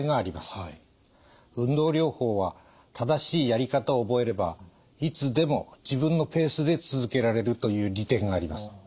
運動療法は正しいやり方を覚えればいつでも自分のペースで続けられるという利点があります。